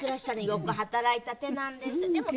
よく働いた手なんです。